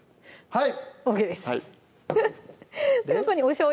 はい！